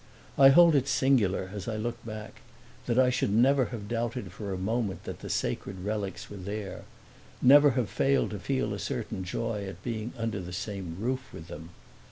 I hold it singular, as I look back, that I should never have doubted for a moment that the sacred relics were there; never have failed to feel a certain joy at being under the same roof with them.